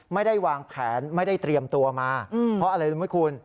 ไม่ได้วางแผนไม่ได้เตรียมตัวมาเพราะอะไรรู้ไหมคุณ